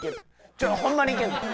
ちょっとホンマにいけんねん。